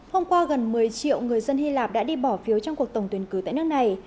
hôm qua gần một mươi triệu người dân hy lạp đã đi bỏ phiếu trong cuộc tổng tuyển cử tại nước này